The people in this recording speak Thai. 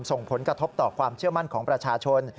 ส่งผลกระทบต่อความเชื่อมั่นของประชาชน